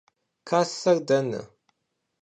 Kasser dene?